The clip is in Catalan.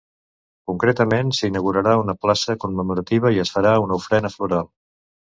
Concretament, s’inaugurarà una placa commemorativa i es farà una ofrena floral.